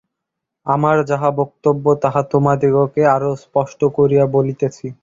আমার যাহা বক্তব্য, তাহা তোমাদিগকে আরও স্পষ্ট করিয়া বলিতেছি।